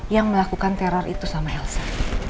yang melakukan teror itu sama elsa